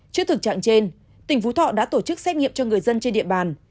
trước thực trạng trên tỉnh phú thọ đã tổ chức xét nghiệm cho người dân trên địa bàn